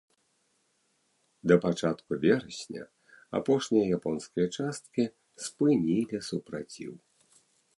Да пачатку верасня апошнія японскія часткі спынілі супраціў.